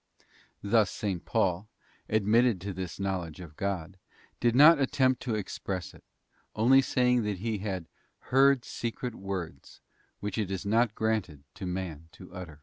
Thus S. Paul, admitted to this knowledge of God, did not attempt to express it, only saying that he had ' heard secret words which it is not granted to man to utter.